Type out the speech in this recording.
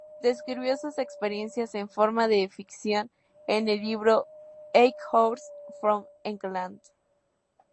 Describió sus experiencias en forma de ficción en el libro "Eight Hours from England".